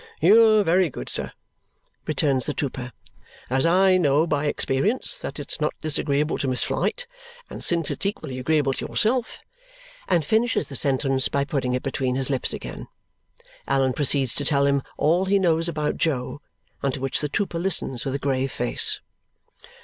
"You are very good, sir," returns the trooper. "As I know by experience that it's not disagreeable to Miss Flite, and since it's equally agreeable to yourself " and finishes the sentence by putting it between his lips again. Allan proceeds to tell him all he knows about Jo, unto which the trooper listens with a grave face.